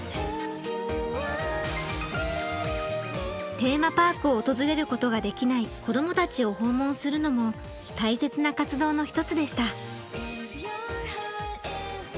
テーマパークを訪れることができない子どもたちを訪問するのも大切な活動の一つでした。